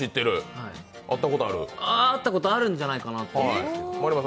会ったことあるんじゃないかと。